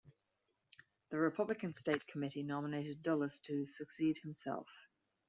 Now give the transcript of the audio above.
The Republican State Committee nominated Dulles to succeed himself.